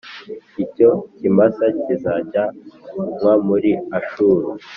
Icyo kimasa kizajyanwa muri Ashuru,